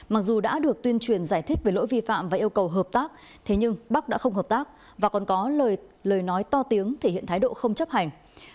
mặc dù đã được tuyên truyền giải thích về lỗi vi phạm và yêu cầu hợp tác thế nhưng bắc đã không hợp tác và còn có lời nói to tiếng thể hiện thái độ không chấp hành